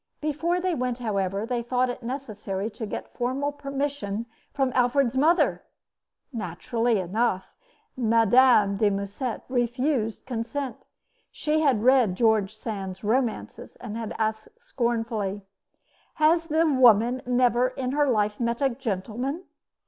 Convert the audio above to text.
Before they went, however, they thought it necessary to get formal permission from Alfred's mother! Naturally enough, Mme. de Musset refused consent. She had read George Sand's romances, and had asked scornfully: "Has the woman never in her life met a gentleman?"